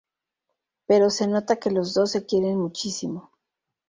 Pero se nota que los dos se quieren muchísimo.